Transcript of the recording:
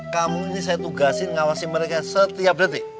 kamu ini saya tugasin ngawasi mereka setiap detik